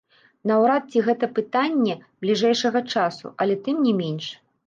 Наўрад ці гэта пытанне бліжэйшага часу, але тым не менш.